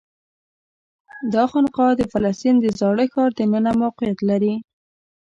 دا خانقاه د فلسطین د زاړه ښار دننه موقعیت لري.